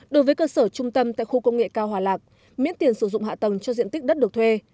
đối với cơ sở trung tâm tại khu công nghệ cao hòa lạc miễn tiền sử dụng hạ tầng cho diện tích đất được thuê